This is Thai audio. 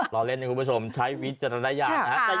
เราเล่นอย่างคุณผู้ชมใช้วิจารณญาณ